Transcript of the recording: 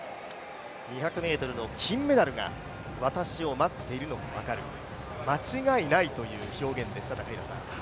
２００ｍの金メダルが私を待っているのが分かる、間違いないという表現でした、高平さん。